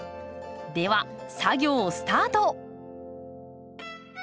では作業スタート！